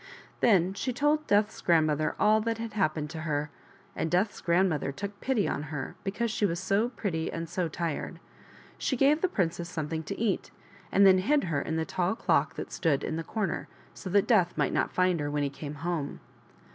Then she told Death's grandmother all that had happened to her, and Death's grandmother took pity on her because she was so pretty and so tired. She gave the princess something to eat and then hid her in the tall clock that stood in the comer, so that Death might not find her when he came home.